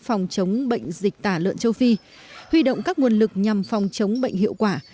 phòng chống bệnh dịch tả lợn châu phi huy động các nguồn lực nhằm phòng chống bệnh hiệu quả